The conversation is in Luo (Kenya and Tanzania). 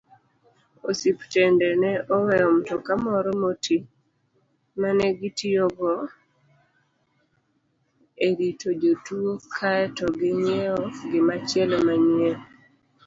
Osiptende ne oweyo mtoka moro moti ma negitiyogo erito jotuwo kaeto ginyiewo gimachielo manyien.